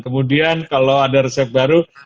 kemudian kalau ada resep baru